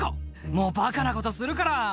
「もうバカなことするから」